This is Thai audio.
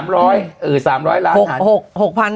๓ร้อยล้าน